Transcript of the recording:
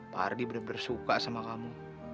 pak ardi benar benar suka sama kamu